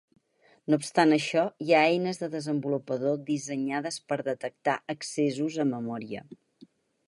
No obstant això, hi ha eines de desenvolupador dissenyades per detectar accessos a memòria.